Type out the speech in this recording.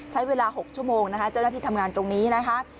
ใช้เวลา๖ชั่วโมงนะคะเจ้าหน้าที่ทำงานตรงนี้นะคะ